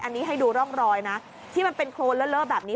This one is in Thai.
อันนี้ให้ดูร่องรอยนะที่มันเป็นโครนเลอะแบบนี้